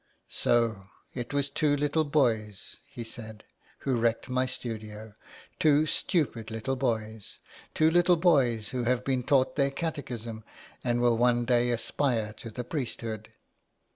" So it was two little boys,*' he said, " who wrecked my studio. Two stupid little boys ; two little boys who have been taught their Catechism, and will one day aspire to the priesthood."